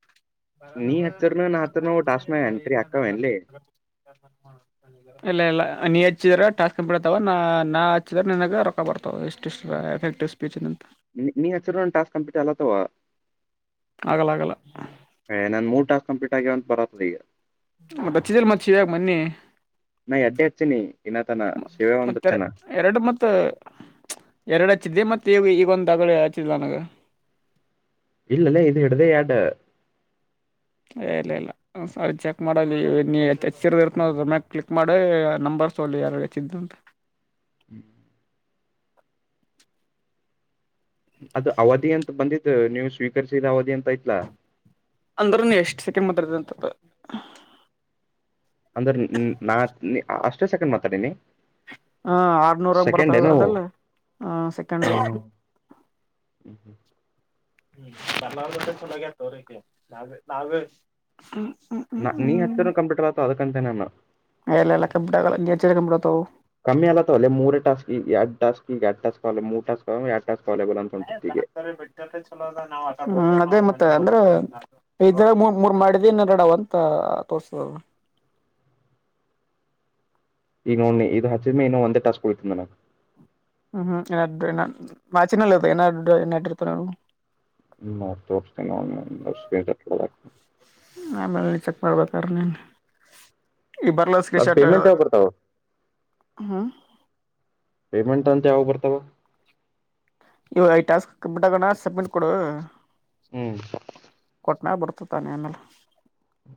[inaudible] ನೀ ಹತ್ತಿರನ ನಾ ಹತ್ತನ ಟಾಸ್ಕ್ ಮಾಡ್ಯನ್ಟೀ ಅಕ್ಕವೇನ್ಲ [unintelligible] ಇಲ್ಲ ಇಲ್ಲ ನೀ ಹಚ್ಚಿದ್ರೆ ಟಾಸ್ಕ್ ಕಂಪ್ಲೀಟ್ ಆಗ್ತಾವ ನ ನಾ ಹಚ್ಚಿದ್ರ ನನ್ಗ ರೊಕ್ಕ ಬರ್ತವ ಇಷ್ಟ ಇಷ್ಟ ಟೆಸ್ಟ್ ಪೇಜ್ [unintelligible] ನೀನ್ ಹಚ್ಚಿರನ್ ಟಾಸ್ಕ್ ಕಂಪ್ಲೀಟ್ ಆಗ್ತವ ಆಗಲ್ಲ ಆಗಲ್ಲ ಮೂರ್ ಟಾಸ್ಕ್ ಕಂಪ್ಲೀಟ್ ಆಗ್ಯಾವಂತ ಬರುತ್ತಿ ಮತ್ತೆ ಹಚ್ಚಿದ್ರ ಮಚ್ಚಿ ಮನ್ನಿ ನಾ ಹಚ್ಚೆ ಹಚ್ಚಿನಿ ಇನ್ನತನ ಶಿವ್ಯ ಒಂದು ಹಚ್ಚನ ಮತ್ತ ಎರಡು ಹಚ್ಚಿದೆ ಮತ್ತೆ ಈಗ ಈಗೊಂದ ಅಗಲೆ ಹಚ್ಚಿದ್ಲ ನನಗ ಇಲ್ಲಲೇ ಇದು ಇರದೆ ಎಡು ಇಲ್ಲ ಇಲ್ಲ ಒಂದ್ಸರಿ ಚೆಕ್ ಮಾಡಚ್ಚಿರ ಇರ್ ಸಮ್ಯ ಕ್ಲಿಕ್ ಮಾಡಿ ನಂಬರ್ ತೋರ್ಸತ್ ನೋಡು ಯಾರ ಹಚ್ಚಿದ್ದು ಅಂತ ಹ್ಮ್್ಮ ಅದು ಅವಧಿ ಅಂತ ಬಂದಿದ್ದು ನೀವು ಸ್ವೀಕರಿಸಿದ ಅವಧಿ ಅಂತ ಐತ್ಲಾ ಅಂದ್ರೂನು ಎಷ್ಟು ಸೆಕೆಂಡ್ ಮಾತಾಡ್ತಿರ್ತಿಯ ಅಂತ ಅಂದ್ರ ನಾ ಅಷ್ಟೇ ಸೆಕೆಂಡ್ ಮಾತಾಡೀನಿ ಹಾ ಆರ್ನೂರಂಗ ಸೆಕೆಂಡ್ ಬರ್ತ್ತಾರ ಏನು ಅದೆಲ್ಲ ಹ ಸೆಕಂಡ್ ಹಾ ಹ್ಮ್ ಬರ್ಲಾರದ್ದು ಚಲೋಗೆ ಆತೆ‌ ಆಕಿಗೆ ನಾವ ನಾವ ನ ನೀ ಹತ್ತಿರ ಕಂಪ್ಯೂಟರ್ ಆತ ಅದಕ್ಕಂತ ನಾನು ಇಲ್ಲ ಇಲ್ಲ ಕಂಪ್ಲೀಟ್ ಆಗಲ್ಲ ನೀ ಹಚ್ಚಿದ್ರೆ ಕಂಪ್ಲೀಟ್ ಆಗ್ತಾವು ಕಮ್ಮಿ ಅಲ್ಲತ್ತ ಒಲ್ಲೆ ಮೂರ ಟಸ್ಕಿ ಎರಡ್ ಟಾಸ್ಕ್ ಗೆ ಎರಡ್ ಟಾಸ್ಕ್ ಅಲ್ಲೆ ಮೂರು ಟಾಸ್ಕ ಎ ಹ ಹಾತಾರೆ ಬಿಟ್ ಚಲೋ ನಾವು ಅದೇ ಮತ್ ಮತ್ತ ಅಂದ್ರ ಇದ ಮೂರ್ ಮೂರ್ ಮಾಡಿದವನ ಎರಡ್ ಅಂತ ತೋರ್ಸ ಈಗ ನೋಡ್ ಇದು ಹಚ್ಚಿದ್ಮೆ ಇನ್ನು ಒಂದೇ ಟಾಸ್ಕ್ ಊಳಿತದ ನನಗೆ ಹ್ಮ್ ಹ್ಮ್ [inaudible] [unintelligible] ತೋರಿಸ್ತೀನಿ ನೋಡು [unintelligible] ತಗೋತಾರೆ ನಿನ್ನ ಇಗ್ ಬರಲ್ಲ ಸ್ಕ್ರೀನ್ ಅದ್ ಶಾರ್ಟ್ ಪೇಮೆಂಟ್ ಯಾವ ಬರ್ತಾವ ಹ್ಮ ಪೇಮೆಂಟ್ ಅಂತ ಯಾವ ಬರ್ತಾವ ಇವ ಐದು ಟಾಸ್ಕ್ ಕಂಪೀಟ್ ಆಗೋಣ ಸಬ್ಮಿಟ್ ಕೊಡು ಹ್ಮ್ ಕೊಟ್ನಾಗ ಬರ್ತ ತಾನೆ ಆಮೇಲೆ ಹ್ಮ..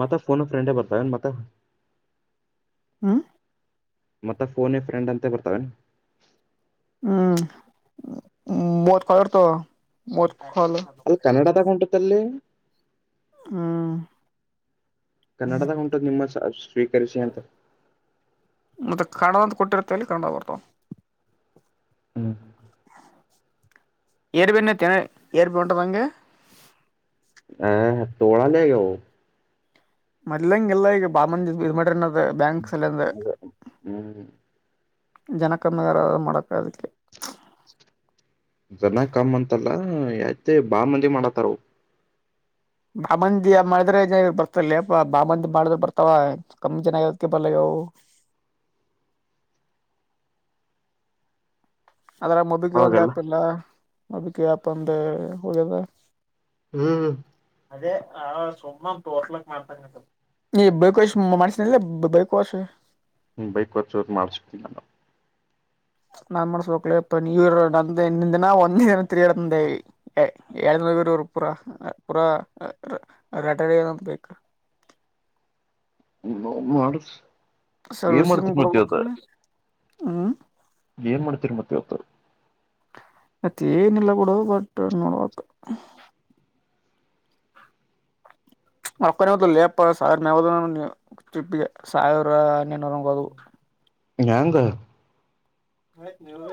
ಮತ್ತ ಫೋನ್ ಫ್ರೆಂಡೇ ಬರ್ತಾವನ್ ಮತ್ತ ಹ್ಮ ಮತ್ತ ಫೋನ ಫ್ರೆಂಡ್ ಅಂತ ಬರ್ತಾವೆನ್ ಹ್ಮ್ ಮೂವತ್ತು ಕಾಲ್ ಇರ್ತಾವ ಮೂವತ್ತು ಅಲ್ಲಿ ಕನ್ನಡದಾಗ ಉಂಟತ್ತ ಅಲ್ಲಿ ಹ್ಮ ಕನ್ನಡದಾಗ ಉಂಟು ನಿಮ್ಮ ಸ್ವೀಕರಿಸಿ ಅಂತ ಮತ್ತೆ ಕನ್ನಡ ಅಂತ ಕೊಟ್ಟಿರುತ್ತೆ ಅಲ್ಲಿ ಕಂಡ ಬರ್ತಾವ ಹ್ಮ್ ಏರ್ ಬನ್ನಟ್ಟಿ ಏರ್ಪಿ ಉಟದಂಗ [unintelligible] ತೋಳ ಲೇಗವು ಮೊದ್ಲಾಂಗಿಲ್ಲ ಈಗ ಬಾಳ್ ಮಂದಿ ಇದ್ ಮಾಡಲ್ಲ ಬ್ಯಾಂಕ್ ಸಾಲ ಅಂದ ಅದ ಹ್ಮ್ ಜನ ಕಮ್ಮಿಗಾರಾದ ಮಾಡಬೇಕ ಅದಕ್ಕೆ ಜನ ಕಮ್ಮ್ ಅಂತಲ್ಲ ಆಯ್ತೆ! ಬಾ ಮಂದಿ ಮಾಡತಾರಾ, ಅವರು. [inaudible] ಬಾಮಂದಿ ಮಾಡಿದ್ರೆ, ಬರ್ತಲ್ಲ ಅಪ್ಪ ಚಾಮಂದಿ ಮಾಡಿದ್ರ, ಬರ್ತ ಕಮ್ ಚೆನ್ನಾಗಿರೋದಕ್ಕೆ, ಹೇಳು. [inaudible] ಓ. [inaudible] ಅದ್ರ, ಮೊಬಿಕ ಒಂದು ಅವಾಗೆಲ್ಲ ಆ್ಯಪ್ ಇಲ್ಲ ಅದುಕ್ಕೆ, ಆ್ಯಪ್ ಒಂದು, ಹೋಗ್ಯದ? [inaudible] ಹ್ಮ್. ಹೂ. [inaudible] ಅದೇ, ಆ ಸುಮ್ಮ ತೋಟ್ಲಕ್ ಮಾಡ್ತಂಗತ. [inaudible] ಈ, ಬೈಪಾಸ್ ಮಾಡಿಸಿ, ಕೊಂಡರೆ, ಬೈಪಾಸ್. [inaudible] ಹ್ಮ, ಬೈಕ್ ಒಂದುಚೂರು, ಮಾಡಿಸಿಲ್ಲ. [inaudible] ನಾನ್, ಮಾಡಿಸ್ಬೇಕುಲೆ, ಬೆಂಗಳೂರು ನಂದೇ ಇಂದಿನ! ಒಂದೇ ರೀತಿ ಇಲ್ಲೆ, ಹೇ? [inaudible] ರವಿರೂರಪುರ, ಪುರಾ, ಲೆಟರ್, ಏನೂಕೆ, ಬೇಕು. [inaudible] ಹೋಗು ಮಾಡಿಸು. [inaudible] ಸೇರ್ವಿಸನಿಂಗೆ, ಬಾರಲವಮ್ಮ? [inaudible] ಏನು, ಮಾಡುತ್ತಿರಬೇಕು. [inaudible] ಮತ್ತ, ಏನಿಲ್ಲ, ಬಿಡು ಬಟ್ ನೋಡಬೇಕು? [inaudible] ಮಕ್ಕತ್ತು, ಲೇಪ ಸಾವಿರ ತಿಪ್ಪ ಸಾವಿರ ನಿರಗದು? [inaudible] ಹ್ಯಾಂಗ್. [inaudible]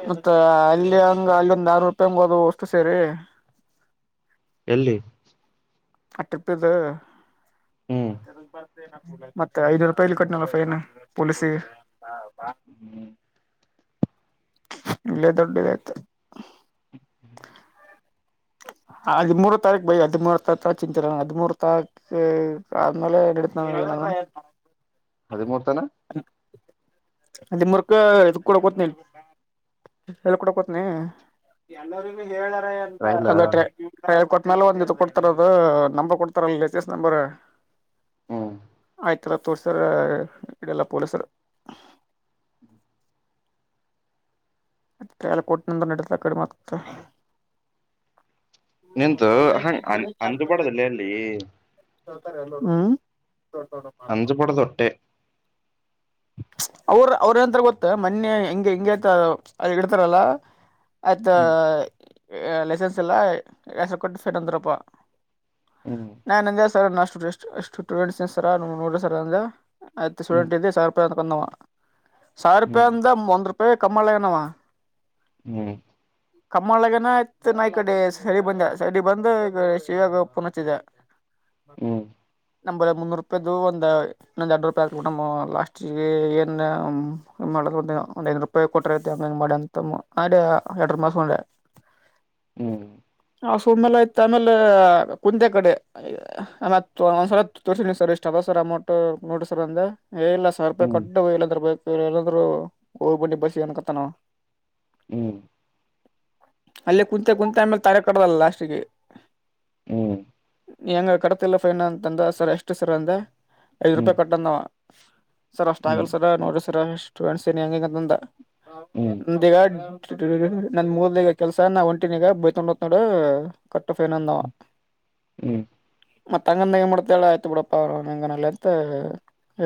ಮತ್ತ, ಅಲ್ಲಿ, ಹಾಂಗ, ಅಲ್ಲಿಂದ, ಆ ರೂಟ್, ಸರಿ. [unintelligible] ಎಲ್ಲಿ? [inaudible] ಆ, ಟ್ರಿಪ್, ಇದು, ಹ್ಮ್ ಮತ್ತೆ ನಿನ್ಗೆ ಬೇಡಾ. [unintelligible] ಮತ್ತೆ, ಐದು ರೂಪಾಯಿಲಿ ಕಟ್ಗುಧನಾಳ, ಫೈನ್ ಪೊಲೀಸಿಗೆ. [unintelligible] ಹ್ಮ್. [inaudible] ಇಲ್ಲೇ, ದುಡ್ಡು ಬಿಟ್ಟಾಯ್ತು. [inaudible] ಹ್ಮ್. ಹೂ.. [inaudible] [unintelligible] [inaudible] ಹದಿಮೂರು ತಾರೀಕ್ ಬೈ! ಹದಿಮೂರು ತಾರೀಕ, ಚಿಂತುಇರವ ಹದಿಮೂರು ತಾರೀಕು ಆದ್ಮೇಲೆ, ನಡಿತಾ. [inaudible] ಹ. ಇವಾ, ಹೇಳುತ್ತಾನೆ.. [unintelligible] ಅದೇ, ಮೂರ್ತನ. [inaudible] ಆದಿ ಮೂರ್ಖ ಇದು, ಕೊಡಕ್ ಹೋಗ್ತೀನಿ! [inaudible] ಹೇಳಿಕೊಡಿಕೆಯೋಗುತೀನಿ, ಎಲ್ಲರೂ, ಎಲವರೇ, ರಾಯಲ ಕಾಯಲಿ, ಕೊಡೋಕೆ, ಹೋಗುತೀನಿ? [unintelligible] ನ್ಯಾಲೊಂಡ್ಹು, ಇದು, ಅದು ನಂಬರ್ ಕೊಡ್ತಾರಲ್ಲ ಲೇಟೆಸ್ಟ್, ನಂಬರ್. [inaudible] ಹ್ಮ್ ಆಯ್ತಲ್ಲ, ತೋರಿಸಿದರೆ, ಇಡೆಲ್ಲ, ಪೊಲೀಸವರು? [inaudible] ಅತ್ರ, ಎಲ್ಲ ಕೊಟ್ನಿಂದ, ನಡೀತಾ ಕಡಿಮೆ ಆಗ್ತದೆ? [inaudible] ನಿಂತು, ಹಂಗ, ಅ ಅಂದು ಬಡದಲ್ಲ ಅಲ್ಲಿ? [inaudible] ಇಷ್ಟೊತ್ತಲ್ಲಿ, ಎಲ್ಲಿ ಹೋದರು, ಹ್ಮ್. [unintelligible] ಅಂಜಬಾಡದು, ಒಟ್ಟೆ. [inaudible] ಅವ್ರ, ಅವ್ರ, ಏನು, ಅಂತಾರೆ, ಗೊತ್ತ ಮೊನ್ನೆ ಹಿಂಗೆ, ಹೆಂಗೆ, ಅಂತ, ಇಡ್ತಾರಲ್ಲ? [inaudible] ಆಯ್ತಾ, ಹ್ಮ್ ಲೈಸೆನ್ಸ್ ಎಲ್ಲ! ಹೆಸರು ಕೊಟ್ಟು ಫೇರ್ ಅಂದ್ರಪಾ. ಹ್ಮ್ [inaudible] ನಾನು ಅಂದೆ ನನ್ನಷ್ಟು, ಈಸ್ಟ್, ಈಸ್ಟ್, ತಗೊಳ್ಳಿ ಇಷ್ಟು, ಸರ್, ತಾಕೋಳಿ, ನೋಡ್ರಿ, ಸರ್, ಅಂದೇ? [inaudible] ಆಯ್ತು ಹ್ಮ್ ಸ್ಟೂಡೆಂಟ್ ಇದದೆ ಸಾವಿರ ರೂಪಾಯಿ, ಅಂದವ, ಸಾವಿರ ರೂಪಾಯಿ, ಹ್ಮ್ ಅಂದ ಒಂದುರೂಪಿ. [inaudible] ಏ, ಕಮ್ಮಳನವಾ? [inaudible] ಹ್ಮ್. [inaudible] ಕಮ್ಮಾಳಗನ, ಇತ್ ನಾಯ್ ಕಡೆ ಸೈಡ್ಬಂದ, ಸೈಡ್ಬಂದು, ಶಿವಾಗ ಪೊನ್ನಚಿಧ. ಹ್ಮ್ [inaudible] ನಾನು, ಬಾರಿ, ಮುನ್ನೂರು ರೂಪಾಯ್ದು! ಒಂದ್ ಇನ್ನೊಂದ್, ಎರಡು ರೂಪಾಯಿ ಹಾಕ್ಬಟ್ಟು ಲಾಸ್ಟ್. [inaudible] ಏನು, ಮಾಡ ಒಂದು, ಒಂದ ಐನೂರು ರೂಪಾಯಿ, ಕೊಟ್ರಐತಿ, ಆಮೇನು ಮಾಡಿ ಅಂತ ಮಾಡ. [inaudible] ಎರಡು, ಮಾಸಾ, ಮಳೆ. [unintelligible] ಹ್ಮ್. [inaudible] ಹಶುಮೇಲೈ, ಹೋಗುತನಾಲೋ, ಆಯ್ತ್, ಕುಂತ ಕಡೆ ಆತ್! ಒಂದು, ಹತ್ತು, ವರುಷ, ಸರ್ವೀಸ್. [inaudible] ಸರ್, ಅಮೌಂಟ್ ನೋಡಿಸರ್ ಅಂದೇ, ಏ, ಇಲ್ಲ. [unintelligible] ಸಾವಿರ ರೂಪಾಯಿ! ಹ್ಮ್ ಹ್ಮ್ ಕಟ್ಟು, ಇಲ್ಲಂದ್ರ, ಬೈಕ್, ಎಲ್ಲರೂ, ಬೈಕು, ಹೋಗಿಬಿಡಿ ಬಸ್ಗೆ, ಅನ್ನಕರುತನಂವ.. [inaudible] ಅಲ್ಲೇ, ಕುಂತ, ಕುಂತ, ಆಮೇಲೆ ತಾರೆ, ಕಡ್ದಲ್ಲ ಲಾಸ್ಟಿಗಿ. [inaudible] ಹ್ಮ್ [inaudible] ಹೆಂಗೆ ಕಟ್ತಿಲ್ಲ ಫೈನಾ ಅಂತಂದ ಸರ್ ಎಷ್ಟು ಸರ್ ಅಂದೆ ಐದು ರೂಪಾಯಿ ಕಟ್ಟಂದಾವ ಸರ್ ಅಷ್ಟ ಆಗಲ್ ಹ್ಮ್ ಹ್ಮ್ ಸರ್ ನೋಡಿರಿ ಸರ್ ಸ್ಟೂಡೆಂಟ್ಸ್ ಏನ್ ಹೆಂಗಂಗ ಅಂತಂದ ನಮಿಗ ನಂದ ಮೂಗಲ್ದಗ ಕೆಲ್ಸ ನಾ ಒಂಟಿನ ಈಗ ಬೈತಕೊಂಡ್ ಹೋ ನೋಡು ಕಟ್ಟಫೇನಂದಾವ ಹ್ಮ್ ಮತ್ತ ಅಂಗಂದ ಮಾಡತಲ್ಲ ಆಯ್ತು ಬಿಡಪ್ಪ ಅವ ಹಂಗನಲ್ಲ ಅಂತ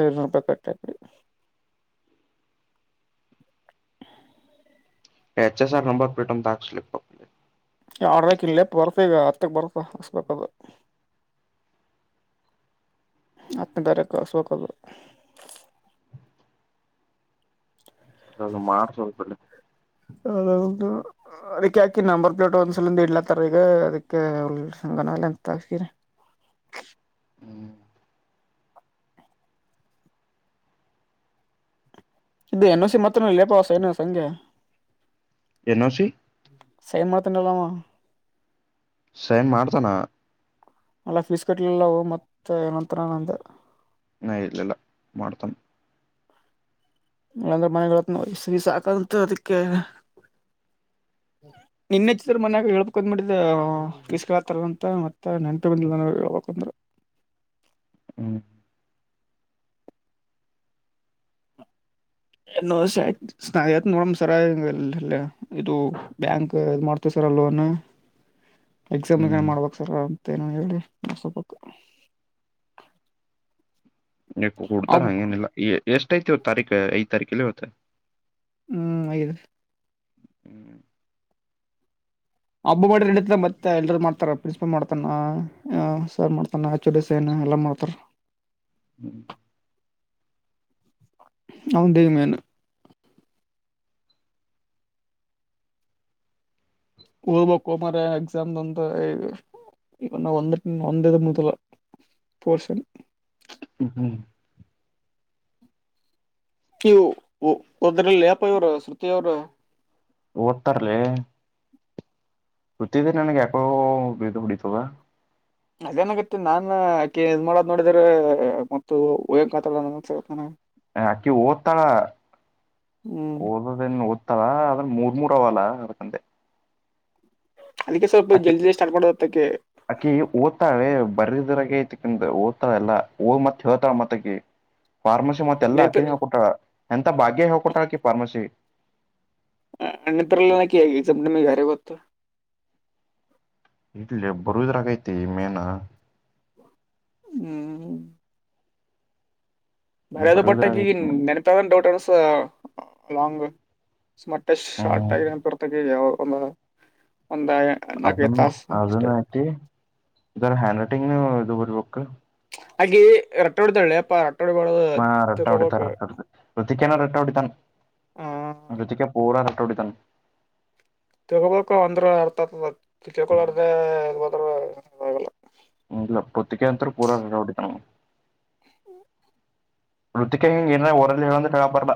ಏಳ್ನೂರು ರೂಪಾಯಿ ಕಟ್ಟ ತಪ್ಪ [inaudible] ಎಚ್ ಎಸ್ ಆರ್ ನಂಬರ್ ಪಟ್ ತಾಕ್ ಆಡ್ಬೇಕ ಇ ಲೇಪ್ ಬರ್ತ ಈಗ ಹತ್ತಕ್ ಬರ್ತ ಹಸ್ಬೇಕದು ಆತ್ನ ತಾರಕ ಸ್ವಕಲು [unintelligible] ಅ ಮಾರ್ಚ್ ಒಳಪ [unintelligible] ಅದ ಒದು [unintelligible] ಅದಕ್ಕೆ ಯಾಕಿ ನಂಬರ್ ಪ್ಲೇಟ್ ಒಂದ್ಸಲಂದ ಇಡ್ಲತ್ತಾರ ಈಗ ಅದಕ್ಕೆ ಉಗನ ಎಂತ ತಾತೀರಿ [inaudible] ಇದು ಎನ್ ಸಿ ಮತ್ರ ಲೇಪ ಸೈನ ಸಂಖ್ಯ ಎನ್ ಓ ಸಿ ಸೈ ಮ ಪತ್ತನಲಾಮ [inaudible] ಸೈನ್ ಮಾಡ್ತಾನ ಅಲ್ಲ ಫೀಸ್ ಕಟ್ಲಿಲ್ಲ ಮತ್ತ ಏನಂತರ ನಂತ ಹ ಇಲ್ಲಲ್ಲ ಮಾಡ್ತನ್ ನಂದ್ರೆ ಮನೆಗಳತ್ನ ವಸ ಸಾಕಂತ ಅದಕ್ಕೆ ನಿನ್ನೆಚ್ಚಿದರು ಮನ್ಯಾಗ ಹೇಳ್ಬೇಕಕ್ ಅಂದ್ ಮಾಡಿಟ್ಟಿದ ಬೀಸ್ಕಳತ್ತಾರ ಅಂತ ಮತ್ತೆ ನೆನ್ಪ ಬಂದಿಲ್ಲ ಹೇಳ್ಬ ಅಂದ್ರರು [inaudible] ಹ್ಮ್ ಯನ ನೋಡ ಸರ ಇದು ಬ್ಯಾಂಕ್ ಮಾಡ್ತ ಕರಲೋನಾ ಎಕ್ಸಾಮ್ಗ ಹ್ಮ್ ಮಾಡ್ಬೇಕಕ್ ಸರ್ ಅಂತ ಏನ ಹೇಳಿ ಸ್ವಪ ಎ ಹಡ್ತಾರ ಹಂಗೇನಿಲ್ಲ ಎಷ್ಟ ಐತಿ ಇವತ್ ತಾರೀಖ ಐದ್ ತಾರೀಕಲ್ಲಿ ಇವತ್ತ ಹ್ಮ್ ಆದೀ ಹ್ಮ್ ಹಬ್ಬ ಮಾಡಿ ನಡ ಮತ್ತೆ ಎಲ್ಲರು ಮಾಡ್ತಾರ ಪ್ರಿನ್ಸಿಪಾಲ್ ಮಾಡ್ತಾನ ಸರ್ ಮಾಡ್ತಾನ ಆ ಸನ ನಲ್ಲ ಮಾತ್ರ ಹ್ಮ್ ಹೌದೇಮೇನು ಓದ್ಬೇಕು ಮಾರಾಯ ಎಕ್ಸಾಮ್ ಬಂದದೆ ಇವ ನಾ ಒಂದ ಒಂದೇದ ಮೊದಲ ಪೋರ್ಷನ್ ಹ್ಮ್ ನೀವು ಹೋದ್ರಲ್ಲೆ ಅಪ್ಪ ಇವ್ರ ಶೃತಿ ಅವರು ಓತರಲ್ಲೇ ಸುತ್ತಿದ ನನಗೆ ಯಕೋ ಇ ಇದು ಪಡಿತದಾ ಅದೇನಾಗತ್ತೆ ನಾನ್ ಆಕೆ ಇದ್ ಮಾಡದ್ ನೋಡಿದ್ರ ಮತ್ತು ಓಯಕೆತಾ ಆಕಿ ಓದ್ತಳ ಹ್ಮ್ ಓದದೇನು ಇತಾವ ಅದನ್ ಮೂರ್ ಮೂರ್ ಅವವಲ್ಲ ಅದಕಂದೆ ಅದಕ್ಕೆ ಸ್ವಲ್ಪ ಅಕಿ ಜಲ್ದಿ ಜಲ್ದಿ ಸ್ಟಾರ್ಟ್ ಮಾಡೋದಕ್ಕೆ ಅಕಿ ಓದ್ತಾಳೆ ಬರಿದ್ರಾಗ ಐತಿ ಹಓದತಾರ ಎಲ್ಲಾ ಹ ಮತ್ತತ್ ಹೇಳ್ತಾರ ಮತ್ತಕ್ಕೆ ಫಾರ್ಮಸಿ ಮತ್ತ ನೆನಪಿ ಎಲ್ಲಾಕಿನ ಹಕ ಕೊಟ್ಟಳ ಎಂತ ಭಾಗ್ಯ ಹೇಕೊಟ್ಟಳಕಿ ಫಾರ್ಮಸಿ ನ್ನತ್ರಲ್ಲ ನ ಆ ಜಮದುಮ್ಮ ಗಾರೆ ಬತ ಇಡ್ಲಿ ಬರದ್ರಕೈತಿ ಮೇನಾ ಹ್ಮ್ ಬರ ಅದ ಬರುದ್ರಾಗ ಬಟ್ಟಾಗಿ ಐತಿ ನೆನಪಾಗೋದ್ ಡೌಟ್ ಅನ್ನಿಸ್ತದ ಲಾಂಗ್. [unintelligible] ಶಾರ್ಟ್ ಹ್ಮ್ ಆಗಿ [unintelligible] ಒಂದ್ ಅದನ್ನು ಅದನ್ನ ಐತಿ ಜರಾ ಹ್ಯಾಂಡ್ರೈಟಿಂಗ್ ಇದು ಬರ್ಬೇಕು. ಆಕಿ ರಟ್ ಹೊಡಿತಾಳೆ ಅಪ್ಪ. ಹಾ ರಟ್ಟ ಹೊಡಿತಾರ ರಟ್ಟ ಹೊಡಿತಾರ [unintelligible] ಹೊಡಿತಾನ ಆ ರುಚಿಕ ಪೂರ ರಟ್ಟ ಹೊಡಿತನ. ತೊಗೊಬೇಕು ಅಂದ್ರ ಅರ್ಥ ಆತದ ತಿಳ್ಕೊಳ್ಲಾರ್ದೇ ಇಲ್ ಬಂದ್ರೆ ಆಗೋಲ್ಲ. ಹ್ಮ್ ಇಲ್ಲ [unintelligible] ಅಂತರ ಪೂರಾ ರಡ ಹೊಡಿತಾನ ಅವ. ಹ್ಮ್ [inaudible] [unintelligible] ಹೇಳಾಕ್ ಬರಲ್ಲ.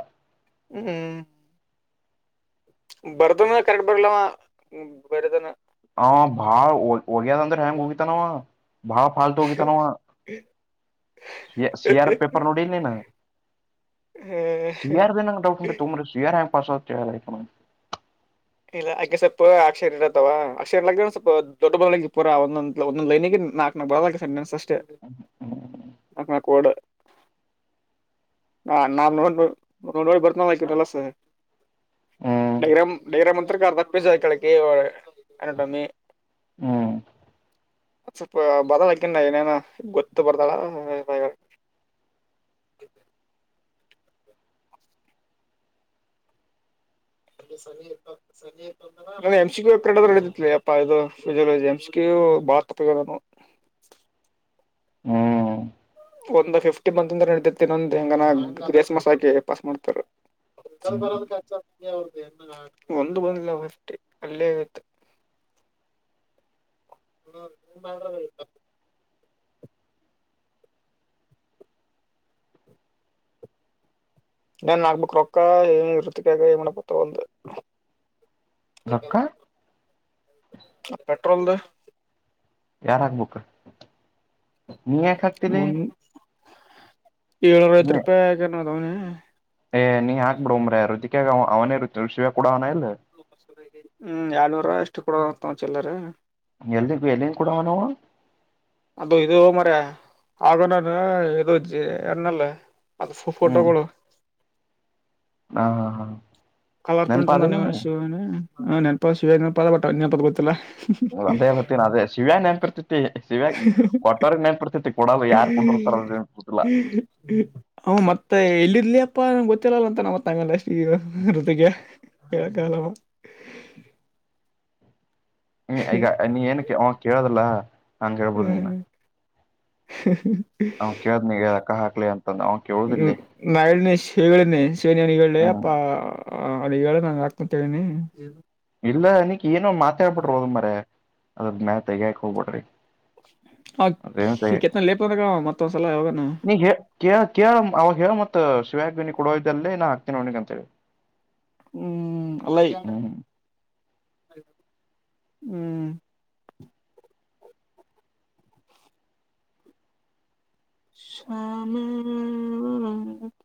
ಹ್ಮ್ ಹ್ಮ್. ಬರದನ ಕರೆಕ್ಟ್ ಬರ್ಲವ ಬರದನ. ಆ ಭಾಳ ಒ ಒಗ್ಯದ ಅಂದ್ರೆ ಹ್ಯಾಂಗ್ ಉಗಿತಾನವ ಬಹಳ ಫಾಲ್ತು ಉಗಿತಾನವ. ಸಿ ಸಿಯಾರ ಪೇಪರ್ ನೋಡಿಲ್ ನೀನ್. ಸಿಯಾರ್ದ ಏನಾದ್ರ ಡೌಟ್ ಇದ್ರೆ ತಗೊಂಬರ್ರಿ ಸಿಯಾರ ಹೆಂಗ್ ಪಾಸ್ ಆಗೋದ್ [unintelligible] ಇಲ್ಲ ಅಕೆ ಸ್ವಲ್ಪ ಅಕ್ಷರ ಇರತ್ತವ ಅಕ್ಷರ ಇಲ ಸ್ವಲ್ಪ ದೊಡ್ಡ ಬೆರಳಿಂಗ್ ಇಪ್ಪರಾ ಒಂದೊಂದ ಒಂದಂದು ಲೈನಿಗೆ ನಾಲ್ಕನ [unintelligible] ಸೆಂಟೆನ್ಸ್ ಅಷ್ಟೆ ಹ್ಮ್ ನಾಕ್ ನಾಕ್ ವರ್ಡ್. ಹಾ ನಾನ್ ನೋ ನೋ ನೋಡ್ ನೋಡಿ ಬರ್ತನ ಆಕಿ [unintelligible] ಹ್ಮ್ ಡೈಗ್ರಾಮ್ ಡೈಗ್ರಾಮ್ ಅಂತ್ರಕ್ಕೆ ಅರ್ಧ ಪೇಜ್ ಹೈಕೊಳ್ಳೋಕೆ ಅನಾಟಮಿ. ಹ್ಮ್. ಸ್ವಲ್ಪ ಬರಲ್ಲಾಕಿನ ಏನೇನ ಗೊತ್ತು ಬರ್ದಾಳ ಹಾ [inaudible] ಎಲ್ಲಾ ಎಮ್ಸಿಕ್ಯೂ ಪೇಪರ್ ಹಿಡಿದಿತ್ಲೆ ಯಪ್ಪ ಇದು ಫಿಸಿಯೊಲೊಜಿ ಎಮ್ಸಿಕ್ಯೂ ಹೋ ಭಾಳಾತಪ್ಪ ಇದು ನೋಡ್. ಹ್ಮ್. ಒಂದ್ ಫಿಫ್ಟಿ ಬಂದ ಅಂದ್ರೆ ನಡತಿರ್ತಿ ನಂದ ಹೆಂಗನ ಗ್ರೇಸ್ ಮಾರ್ಕ್ಸ್ ಹಾಕಿ ಪಾಸ್ ಮಾಡ್ತಾರ. ಹ್ಮ್ ಒಂದು ಬಂದಿಲ್ಲ ಅಷ್ಟೆ ಅಲ್ಲೇ ಇತ್ತು. ಹ್ಮ [inaudible] ಏನ್ ಆಗ್ಬೇಕು ರೊಕ್ಕ ಏ ವೃತ್ತಿಕಾಗ ಏನ್ [unintelligible] ರೊಕ್ಕ. ಪೆಟ್ರೋಲ್ದು. ಯಾರ ಆಗ್ಬೇಕ್. ಒಂದ ಏಳ್ನೂರ್ ನೀ ಐವತ್ ರೂಪಾಯಿ [unintelligible] ಏ ನೀ ಹಾಕ್ಬೇಡೋ ಮಾರಾಯ ರುಜುಕ್ಯಾಗ್ ಅವ ಅವನೇ [unintelligible] ಕೂಡಾ ಅವನೇ ಹ್ಮ್ ಏಳ್ನೂರ ಎಷ್ಟು ಕೊಡೋದಾತ್ ನಾ ಚಿಲ್ಲರೆ. ಎಲ್ರಿಗೂ ಎಲ್ಲಿಂದ ಕೂಡವ ನಾವು. ಅದು ಇದು ಮಾರಾಯ ಆಗನ ಇದು ಜ್ ಎನ್ನಲ್ಲ. ಅದು ಫೋಟೋಗಳು. ಹಾ ಹಾ ಹಾ. ಕಲರ್ ಪ್ರಿಂಟ್ ನೆನ್ಪಾದಿಲ್ಲ ತಂದಾನಿವ ನೀ ಶಿವ ನೆನಪ ಶಿವ ನೆನಪ [unintelligible] ಪದ ಗೊತ್ತಿಲ್ಲ. ಹೊ ಅದೇ ಬತಿನ ಅದೇ ಶಿವ ಹ್ಯಾಗ್ ನೆನ್ಪಿಡ್ತತಿ ಶಿವ ಕೊಟ್ಟವರಿಗ್ ನೆನ್ಪಿರ್ತೈತಿ. ಕೊಡಲ್ಲ ಯಾರ್ ಕೊಟ್ಟಿರ್ತಾರ ಅವ್ರಿಗ್ ನೆನ್ಪಿರ್ತೈತಿಲ್ಲ ಅವ ಮತ್ತೆ ಇಲ್ಲಿ ಎಲ್ಲಿ ಅಪ್ಪ ನಂಗೆ ಗೊತ್ತಿಲ್ಲಲ್ಲ ಅಂತಾನ ಮತ್ ಹಂಗಂದ್ರೆ [unintelligible] [unintelligible] ಹ್ಮ್ ಈಗ ನೀ ಏನಕ್ಕೆ ಅವ ಕೇಳೋದಲ್ಲ ನಾ ಕೇಳ್ಬೋದು ನಿನ್ನ. ಹ [unintelligible] ಅವ ಕೇಳದ್ನಾ ಈಗ ರಕ್ಕ ಹಾಕ್ಲಿ ಅಂತಂದು ಅವ ಕೇಳುದಿಲ್ಲಲೆ. ಕೇಳಿದ್ನೆ ಶಿವನಿಗೆ ಇವ್ನಿಗ್ ಹೇಳ್ಲೆ ಯಪ್ಪಾ ಅವನಿಗ್ ಹೇಳಿ ನಂಗ್ ಹಾಕ್ತೀನಿ ತಗನಿ. ಇಲ್ಲ ಅನಕ್ ಏನೋ ಮಾತಾಡ್ಬಿಡ್ರಿ ಹೋಗ್ ಮಾರಾಯ ಅದ್ರ ಮ್ಯಾಲ್ ತೆಗ್ಯಾಕ್ ಹೋಗ್ಬಡ್ರಿ. [inaudible] ಅದೇಂತ ಕೆತ್ತನ ಲೇಪ ಅಂದಾಗ ಮತ್ತೊಂದ್ಸಲ ಯಾವಾಗನ ನೀ ಹೇ ಕೆ ಕೇಳು ಅವಾಗ ಹೇಳು ಮತೆ ಶಿವಾಗ್ ಬಿನಿ. ಕುಡೋದಲ್ಲಿ ನಾ ಹಾಕ್ತೀನಿ ಅವನಿಗಂತ ಹೇಳಿ. ಹ್ಮ್ ಅಲ್ಲ ಹ್ಮ್. ಶಾಮ.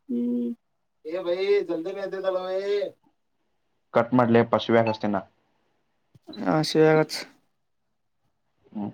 ಹ್ಮ್ ಭೈ ಜಲ್ದಿ ಲೇತಾಬೈ. ಕಟ್ ಮಾಡಲೆ ಪಾಶವ್ಯಾ ಹಚ್ತೀನ. ಹ ಶಿವಗಚ್. ಹ್ಮ